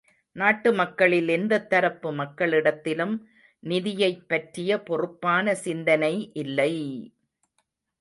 நாட்டு மக்களில் எந்தத் தரப்பு மக்களிடத்திலும் நிதியைப் பற்றிய பொறுப்பான சிந்தனை இல்லை!